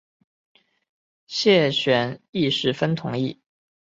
谢玄亦十分同意。